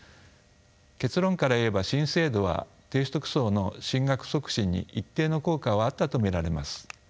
結論から言えば新制度は低所得層の進学促進に一定の効果はあったと見られます。